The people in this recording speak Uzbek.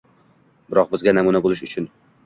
Biroq, bizga namuna bo‘lish uchun.